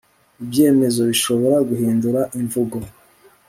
ibyemezo bishobora guhindura imvugo